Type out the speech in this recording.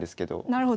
なるほど。